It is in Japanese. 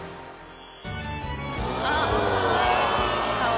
あっかわいい。